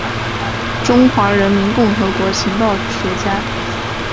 中华人民共和国情报学家。